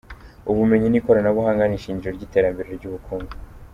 Ubumenyi n’ikoranabuhanga ni ishingiro ry’iterambere ry’ubukungu.